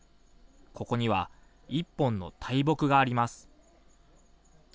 ここには１本の大木があります。